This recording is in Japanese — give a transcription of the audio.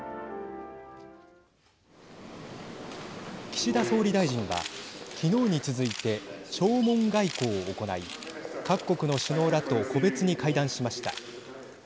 岸田総理大臣は昨日に続いて弔問外交を行い各国の首脳らと個別に会談しました。